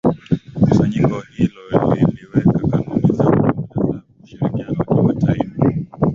Kusanyiko hilo liliweka kanuni za ujumla za ushirikiano wa kimataifa